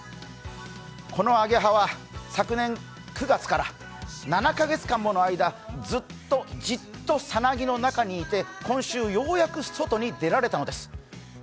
このアゲハは、昨年９月から７カ月間もの間、ずっと、じっとさなぎの中にいて今週、ようやく外に出られたのです。